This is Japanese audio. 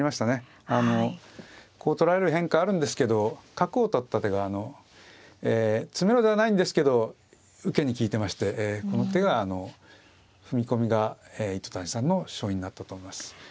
こう取られる変化あるんですけど角を取った手が詰めろではないんですけど受けに利いてましてこの手が踏み込みが糸谷さんの勝因になったと思います。